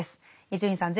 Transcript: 伊集院さん